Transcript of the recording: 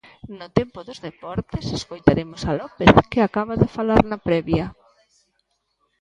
No tempo dos deportes escoitaremos a López, que acaba de falar na previa.